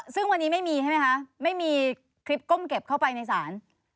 ซึ่งวันนี้ไม่มีใช่ไหมคะไม่มีคลิปก้มเก็บเข้าไปในศาล